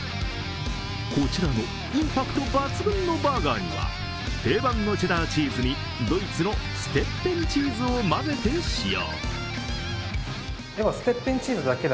こちらのインパクト抜群のバーガーには定番のチェダーチーズにドイツのステッペンチーズを混ぜて使用。